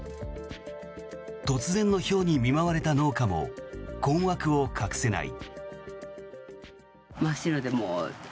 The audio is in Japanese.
突然のひょうに見舞われた農家も困惑を隠せない。